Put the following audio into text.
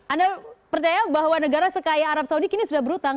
anda percaya bahwa negara sekaya arab saudi kini sudah berhutang